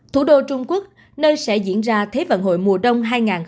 thủ đô trung quốc nơi sẽ diễn ra thế vận hội mùa đông hai nghìn hai mươi bốn